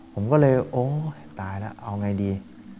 ผมก็เลยโอ้ตายแล้วเอาไงดี